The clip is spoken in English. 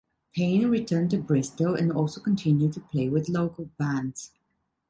Payne returned to Bristol and also continued to play with local bands.